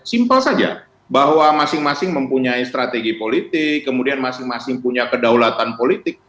simpel saja bahwa masing masing mempunyai strategi politik kemudian masing masing punya kedaulatan politik